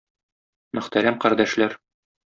Мөхтәрәм кардәшләр!